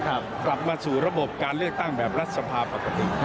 กลับมาสู่ระบบการเลือกตั้งแบบรัฐสภาปกติ